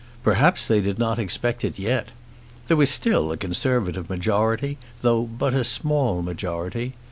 Perhaps they did not expect it yet. There was still a Conservative majority, though but a small majority.